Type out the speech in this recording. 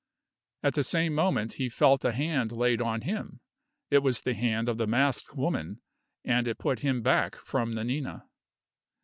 At the same moment he felt a hand laid on him. It was the hand of the masked woman, and it put him back from Nanina.